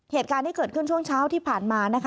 เหตุการณ์ที่เกิดขึ้นช่วงเช้าที่ผ่านมานะคะ